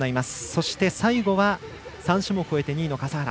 そして、最後は３種目終えて２位の笠原。